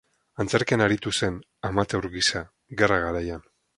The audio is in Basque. Antzerkian aritu zen, amateur gisa, gerra-garaian.